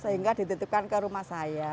sehingga dititipkan ke rumah saya